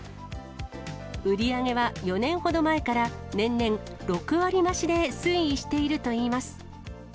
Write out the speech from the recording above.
売り上げは４年ほど前から、年々６割増しで推移しているといいます。